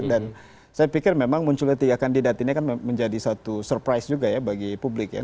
dan saya pikir memang munculnya tiga kandidat ini kan menjadi satu surprise juga ya bagi publik ya